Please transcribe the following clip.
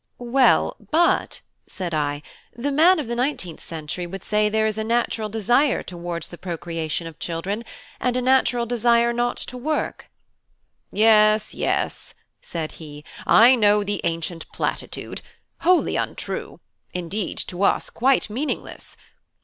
"Well, but," said I, "the man of the nineteenth century would say there is a natural desire towards the procreation of children, and a natural desire not to work." "Yes, yes," said he, "I know the ancient platitude, wholly untrue; indeed, to us quite meaningless.